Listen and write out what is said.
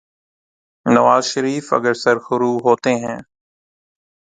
نواز شریف اگر سرخرو ہوتے ہیں۔